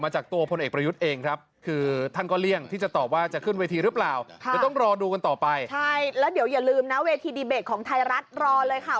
ใช่แล้วเดี๋ยวอย่าลืมนะเวทีดีเบตของไทยรัฐรอเลยค่ะ